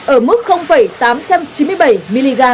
ở mức tám trăm chín mươi bảy mg